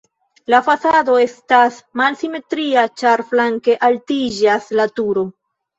La fasado estas malsimetria, ĉar flanke altiĝas la turo.